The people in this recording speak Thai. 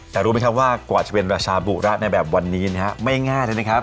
แต่รู้ไหมครับว่ากว่าจะเป็นราชาบุระในแบบวันนี้นะฮะไม่ง่ายเลยนะครับ